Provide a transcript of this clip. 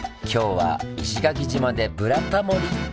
今日は石垣島で「ブラタモリ」！